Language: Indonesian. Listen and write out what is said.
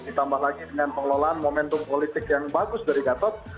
ditambah lagi dengan pengelolaan momentum politik yang bagus dari gatot